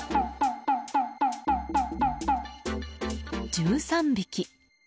１３匹。